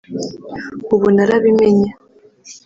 ubu narabimenye